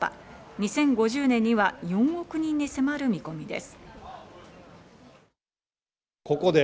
２０５０年には４億人に迫る見込みです。